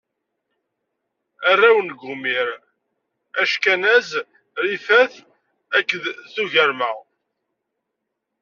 Arraw n Gumir: Ackanaz, Rifat akked Tugarma.